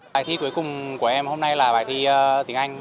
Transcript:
bài thi cuối cùng của em hôm nay là bài thi tiếng anh